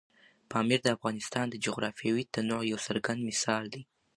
پامیر د افغانستان د جغرافیوي تنوع یو څرګند مثال دی.